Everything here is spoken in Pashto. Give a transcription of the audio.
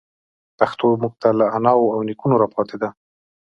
پښتو موږ ته له اناوو او نيکونو راپاتي ده.